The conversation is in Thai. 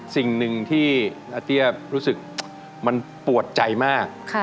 สิ่งหนึ่งที่อาเตี้ยรู้สึกมันปวดใจมาก